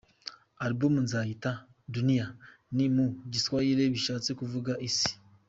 Album nzayita « Dunia » ni mu Giswahili bishatse kuvuga « Isi ».